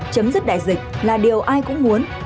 chấm dứt đại dịch là điều ai cũng muốn